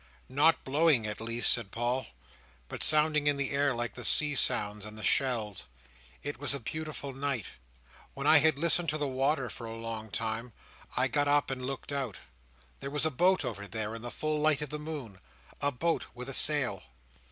"Not blowing, at least," said Paul, "but sounding in the air like the sea sounds in the shells. It was a beautiful night. When I had listened to the water for a long time, I got up and looked out. There was a boat over there, in the full light of the moon; a boat with a sail."